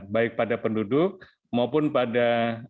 baik pada penduduk maupun pada